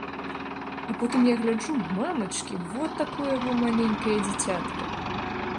А потым я гляджу, мамачкі, во такое во маленькае дзіцятка!